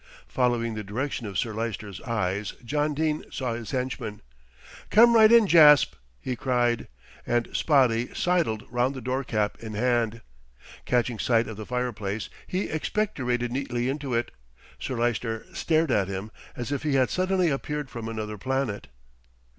Following the direction of Sir Lyster's eyes, John Dene saw his henchman. "Come right in, Jasp," he cried, and Spotty sidled round the door cap in hand. Catching sight of the fireplace, he expectorated neatly into it. Sir Lyster stared at him as if he had suddenly appeared from another planet.